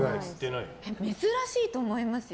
珍しいと思いますよ。